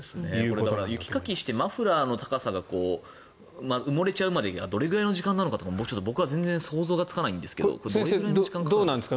雪かきしてマフラーの高さが埋もれちゃうまでどれぐらいの時間なのか僕は全然想像がつかないんですがどれくらいの時間なんですか？